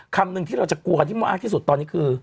คำหนึ่งที่เราจะกลัวกันที่มากที่สุดตอนนี้คือ